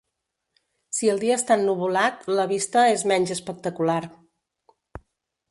Si el dia està ennuvolat, la vista és menys espectacular.